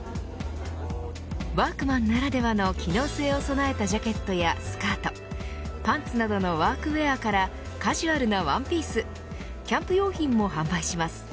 ワークマンならではの機能性を備えたジャケットやスカートパンツなどのワークウエアからカジュアルなワンピースキャンプ用品も販売します。